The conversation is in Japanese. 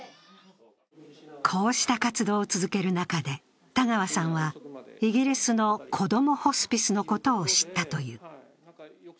こうした活動を続ける中で、田川さんはイギリスのこどもホスピスのことを知ったという。